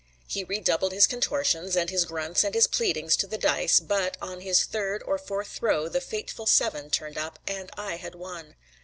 He redoubled his contortions and his grunts and his pleadings to the dice; but on his third or fourth throw the fateful seven turned up, and I had won.